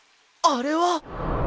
あれは？